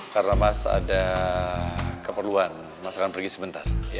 karena mas ada keperluan mas akan pergi sebentar ya